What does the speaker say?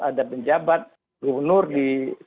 ada pejabat punur di